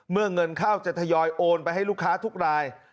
เงินเข้าจะทยอยโอนไปให้ลูกค้าทุกราย